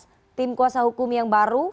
accademisi kalau menjaga egyektivitas